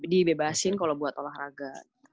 dibebasin kalau buat olahraga